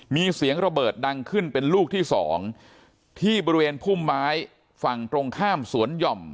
มีเสียงระเบิดดังขึ้นเป็นลูกที่สองที่บริเวณพุ่มไม้ฝั่งตรงข้ามสวนหย่อม